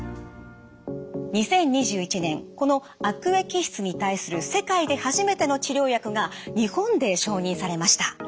２０２１年この悪液質に対する世界で初めての治療薬が日本で承認されました。